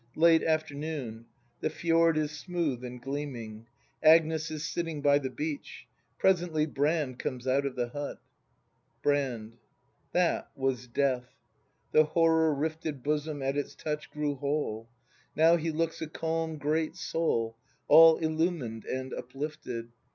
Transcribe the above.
Late afternoon. The fjord is smooth and gleaming. Agnes is sitting by tlw beach. Presently Brand com^s out of the hut.] Brand. That was death. The horror rifted Bosom at its touch grew whole. Now he looks a calm great soul. All illumined and uplifted.